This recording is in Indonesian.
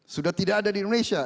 sudah tidak ada di indonesia